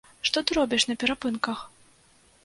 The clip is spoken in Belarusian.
Што ты робіш на перапынках?